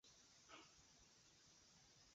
刘邕是南北朝时期南朝宋官员。